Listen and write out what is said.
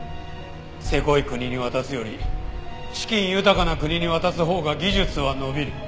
せこい国に渡すより資金豊かな国に渡すほうが技術は伸びる。